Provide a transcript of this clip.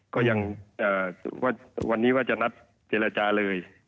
ก็ยังว่าวันนี้ว่าจะนัดเจรจาเลย